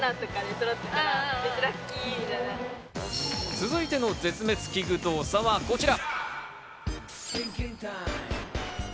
続いての絶滅危惧動作は、こちら。